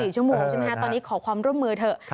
๔ชั่วโมงใช่ไหมฮะตอนนี้ขอความร่วมมือเถอะ